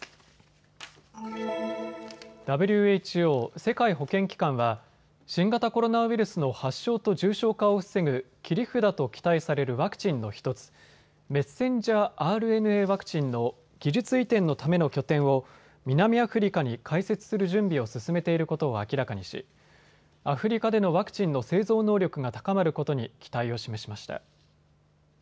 ＷＨＯ・世界保健機関は新型コロナウイルスの発症と重症化を防ぐ切り札と期待されるワクチンの１つ、ｍＲＮＡワクチンの技術移転のための拠点を南アフリカに開設する準備を進めていることを明らかにしアフリカでのワクチンの製造能力が高まることに期待を示しました。